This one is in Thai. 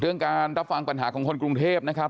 การรับฟังปัญหาของคนกรุงเทพนะครับ